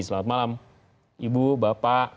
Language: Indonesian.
selamat malam ibu bapak